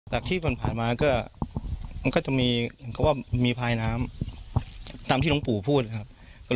จากที่มันผ่านมาก็แบบมีพรายน้ำตามที่ลงปู่พูดนะครับ